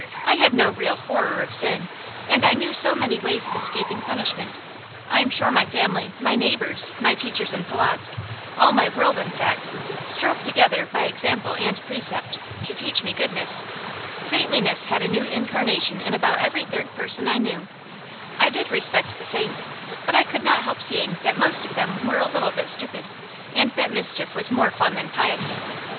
I had no real horror of sin, and I knew so many ways of escaping punishment. I am sure my family, my neighbors, my teachers in Polotzk all my world, in fact strove together, by example and precept, to teach me goodness. Saintliness had a new incarnation in about every third person I knew. I did respect the saints, but I could not help seeing that most of them were a little bit stupid, and that mischief was much more fun than piety.